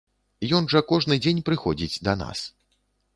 Ён жа кожны дзень прыходзіць да нас.